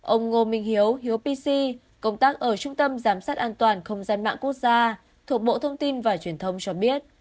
ông ngô minh hiếu pc công tác ở trung tâm giám sát an toàn không gian mạng quốc gia thuộc bộ thông tin và truyền thông cho biết